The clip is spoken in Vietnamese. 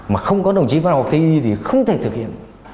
mà không có đồng chí phan ngọc thi thì không thể thực hiện